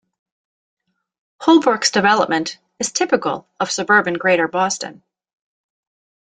Holbrook's development is typical of suburban Greater Boston.